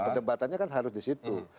perdebatannya kan harus di situ